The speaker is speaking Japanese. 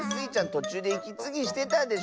とちゅうでいきつぎしてたでしょ。